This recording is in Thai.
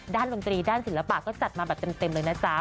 ดนตรีด้านศิลปะก็จัดมาแบบเต็มเลยนะจ๊ะ